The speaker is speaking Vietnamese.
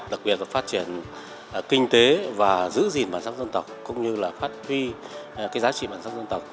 đặc biệt là phát triển kinh tế và giữ gìn bản sắc dân tộc cũng như là phát huy giá trị bản sắc dân tộc